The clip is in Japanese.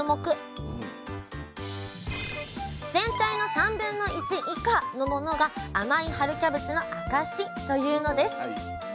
全体の1/3以下のものが甘い春キャベツの証しというのです！